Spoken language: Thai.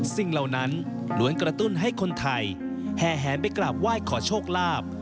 สิ่งเหล่านั้นล้วนกระตุ้นให้คนไทยแห่แหนไปกราบไหว้ขอโชคลาภ